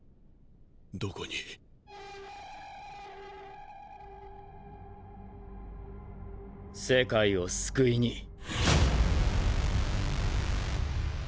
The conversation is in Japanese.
どこに⁉世界を救いに。